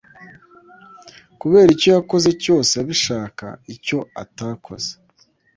kubera icyo yakoze cyose abishaka icyo atakoze